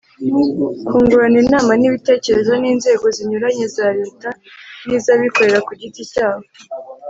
kungurana inama n'ibitekerezo n'inzego zinyuranye za leta n'iz'abikorera ku giti cyabo